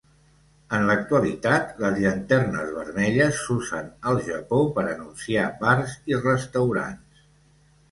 En l'actualitat les llanternes vermelles s'usen al Japó per anunciar bars i restaurants.